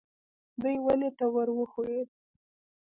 دی ونې ته ور وښوېد.